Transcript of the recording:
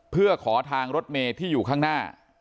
เพื่อขอทางรถเมย์ที่อยู่ข้างหน้า